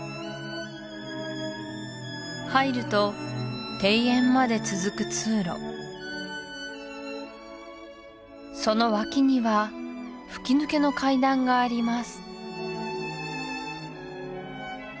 入ると庭園まで続く通路その脇には吹き抜けの階段があります